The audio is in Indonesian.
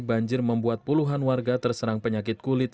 banjir membuat puluhan warga terserang penyakit kulit